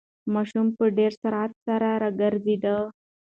ماشوم په ډېر سرعت سره راوگرځېد.